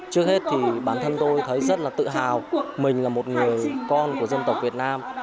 trước hết thì bản thân tôi thấy rất là tự hào mình là một người con của dân tộc việt nam